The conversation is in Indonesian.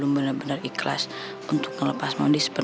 cuman bang kobar itu tetep nyerang kita